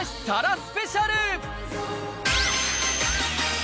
スペシャル。